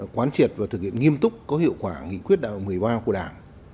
quán triệt và thực hiện nghiêm túc có hiệu quả nghị quyết đạo một mươi ba của đảng